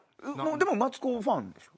でもマツコファンでしょ？